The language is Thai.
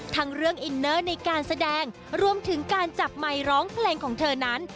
ทั้งเรื่องอินเนอร์ในการแสดงรวมถึงการจับไมค์ร้องเพลงของเธอนั้น